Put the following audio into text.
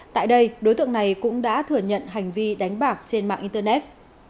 tại đây đối tượng này cũng đã thừa nhận hành vi đánh bạc trên mạng internet